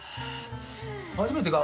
初めてか？